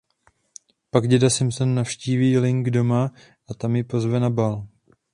Pak děda Simpson navštíví Ling doma a tam ji pozve na bál.